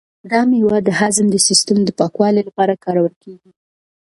دا مېوه د هضم د سیسټم د پاکوالي لپاره کارول کیږي.